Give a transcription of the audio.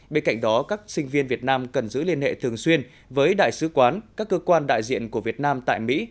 bên cạnh đó các sinh viên việt nam cần giữ liên hệ thường xuyên với đại sứ quán các cơ quan đại diện của việt nam tại mỹ